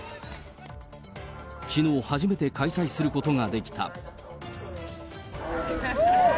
きのう初めて開催することができた。